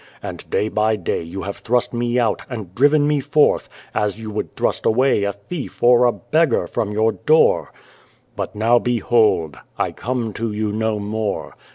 And day by day you have The Child, the Wise Man thrust Me out, and driven Me forth as you would thrust away a thief or a beggar from your door. " But now behold ! I come to you no more.